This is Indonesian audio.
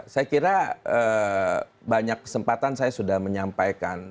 saya kira banyak kesempatan saya sudah menyampaikan